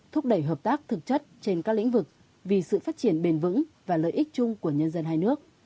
thúc đẩy hợp tác thực chất trên các lĩnh vực vì sự phát triển bền vững và lợi ích chung của nhân dân hai nước